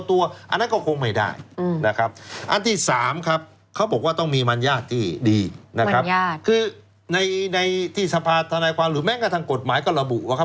อันที่๓ครับเขาบอกว่าต้องมีมรรญาติที่ดีนะครับ